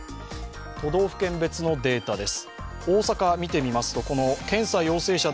都道府県別のデータです。